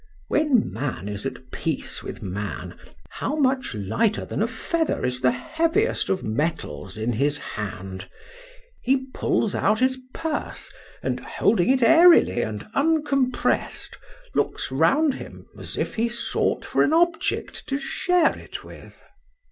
When man is at peace with man, how much lighter than a feather is the heaviest of metals in his hand! he pulls out his purse, and holding it airily and uncompressed, looks round him, as if he sought for an object to share it with.